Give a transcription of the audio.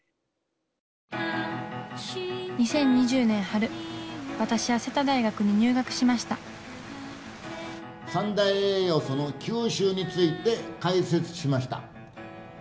２０２０年春私は瀬田大学に入学しました三大栄養素の吸収について解説しました。